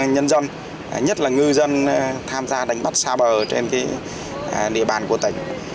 nhân dân nhất là ngư dân tham gia đánh bắt xa bờ trên địa bàn của tỉnh